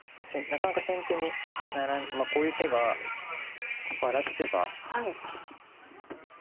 なかなか先手にこういう手がここ荒らす手が。